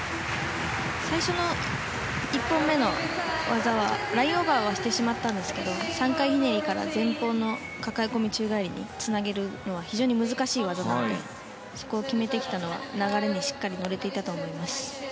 最初の１本目の技はラインオーバーしてしまいましたが３回ひねりから前方のかかえ込み宙返りにつなげるのは非常に難しい技なのでそこを決めてきたのは流れにしっかり乗れていたと思います。